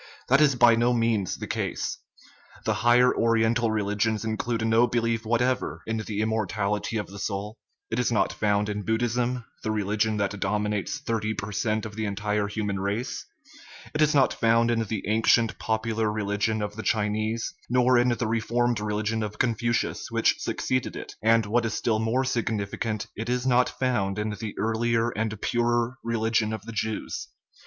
That is by no means the case. The higher Oriental religions include no belief whatever in the immortality of the soul; it is not found in Buddhism, the religion that dominates 194 THE IMMORTALITY OF THE SOUL thirty per cent, of the entire human race; it is not found in the ancient popular religion of the Chinese, nor in the reformed religion of Confucius which suc ceeded it; and, what is still more significant, it is not found in the earlier and purer religion of the Jews.